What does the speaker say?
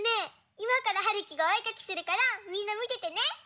いまからはるきがおえかきするからみんなみててね！